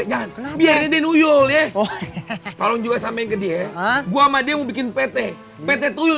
jangan biarin uyul ya tolong juga sampein ke dia gua sama dia mau bikin pt pt tuyul